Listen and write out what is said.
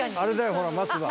ほら松葉。